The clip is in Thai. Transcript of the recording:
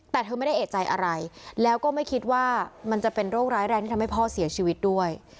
แต่เธอไม่ได้เอกใจอะไรแล้วก็ไม่คิดว่ามันจะเป็นโรคร้ายแรงที่ทำให้พ่อเสียชีวิตด้วย